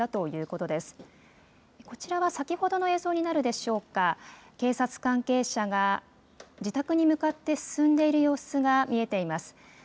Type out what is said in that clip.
こちらは先ほどの映像になるでしょうか、警察関係者が自宅に向かって進んでいる様子が見えています。